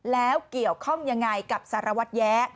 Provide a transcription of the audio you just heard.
แล้วเกี่ยวข้องยังไงกับสารวัตรแย้